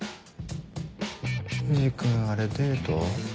藤君あれデート？